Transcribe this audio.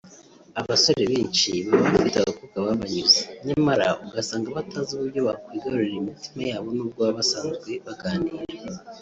Abasore benshi baba bafite abakobwa babanyuze nyamara ugasanga batazi uburyo bakwigarurira imitima yabo n'ubwo baba basanzwe baganira